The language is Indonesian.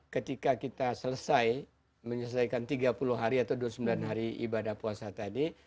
ketika kita selesai menyelesaikan tiga puluh hari atau dua puluh sembilan hari ibadah puasa tadi